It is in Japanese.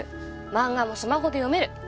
漫画もスマホで読める。